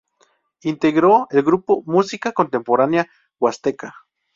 Integró el grupo Música Contemporánea Huasteca.